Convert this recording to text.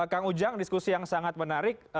kang ujang diskusi yang sangat menarik